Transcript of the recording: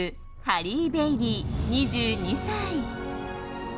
ハリー・ベイリー、２２歳。